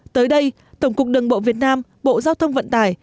tới đây tổng cục đường bộ việt nam bộ giao thông vận tải